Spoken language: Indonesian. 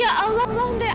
ya allah andrei